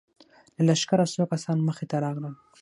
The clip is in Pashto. له لښکره څو کسان مخې ته راغلل.